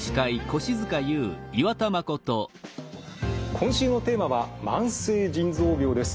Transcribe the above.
今週のテーマは「慢性腎臓病」です。